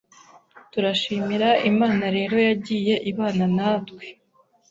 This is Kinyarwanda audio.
Turashimira Imana rero yagiye ibana natwe